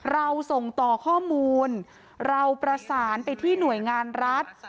เราส่งต่อข้อมูลเราประสานไปที่หน่วยงานรัฐ